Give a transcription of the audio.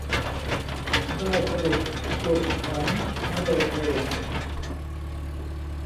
ได้สดุบตรุบหันมะเลเท